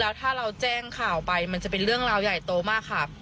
แล้วถ้าเราแจ้งข่าวไปมันจะเป็นเรื่องราวใหญ่โตมากค่ะ